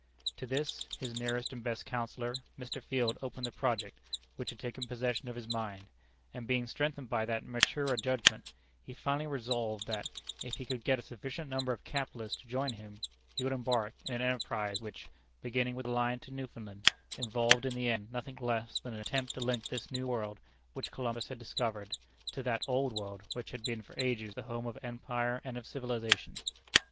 To this, his nearest and best counsellor, Mr. Field opened the project which had taken possession of his mind; and being strengthened by that maturer judgment, he finally resolved that, if he could get a sufficient number of capitalists to join him, he would embark in an enterprise which, beginning with the line to Newfoundland, involved in the end nothing less than an attempt to link this New World which Columbus had discovered, to that Old World which had been for ages the home of empire and of civilization.